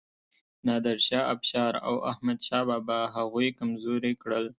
نادر شاه افشار او احمد شاه بابا هغوی کمزوري کړل.